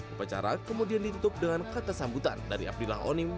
upacara kemudian ditutup dengan kata sambutan dari abdillah onim